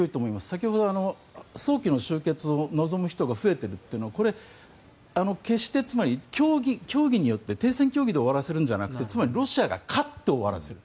先ほど早期の終結を望む人が増えているというのは決して協議によって停戦協議で終わらせるんじゃなくてロシアが勝って終わらせる。